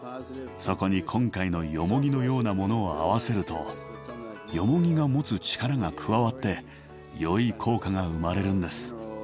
そこに今回のよもぎのようなものを合わせるとよもぎが持つ力が加わってよい効果が生まれるんです。